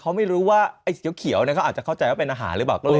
เขาไม่รู้ว่าไอ้สีเขียวเนี่ยเขาอาจจะเข้าใจว่าเป็นอาหารหรือเปล่าก็เลย